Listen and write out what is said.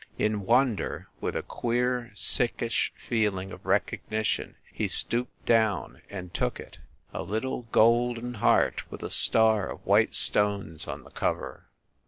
In wonder, with a queer, sick ish feeling of recognition he stooped down and took it a little golden heart with a star of white stones on the cover.